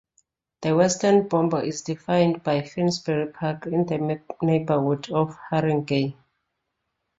The western border is defined by Finsbury Park in the neighbourhood of Harringay.